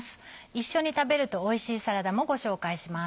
一緒に食べるとおいしいサラダもご紹介します。